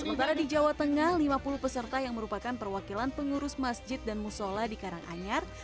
sementara di jawa tengah lima puluh peserta yang merupakan perwakilan pengurus masjid dan musola di karanganyar